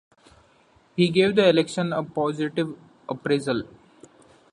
He gave the election a positive appraisal.